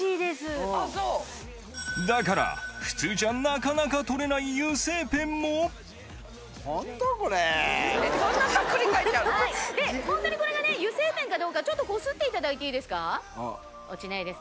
だから普通じゃなかなか取れない油性ペンもホントにこれが油性ペンかどうかちょっとこすっていただいていいですか？